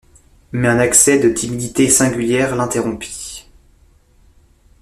Mais un accès de timidité singulière l’interrompit.